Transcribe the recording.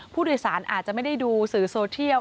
ผู้โดยสารอาจจะไม่ได้ดูสื่อโซเทียล